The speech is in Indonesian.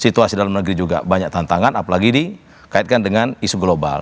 situasi dalam negeri juga banyak tantangan apalagi dikaitkan dengan isu global